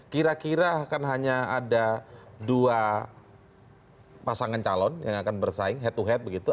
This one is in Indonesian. kira kira akan hanya ada dua pasangan calon yang akan bersaing head to head begitu